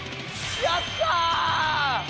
やったー！